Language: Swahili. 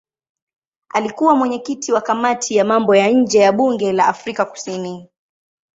Alikuwa mwenyekiti wa kamati ya mambo ya nje ya bunge la Afrika Kusini.